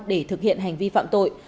để thực hiện hành vi phạm tội